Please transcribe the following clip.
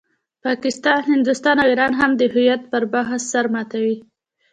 پاکستان، هندوستان او ایران هم د هویت پر بحث سر ماتوي.